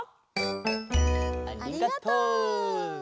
ありがとう。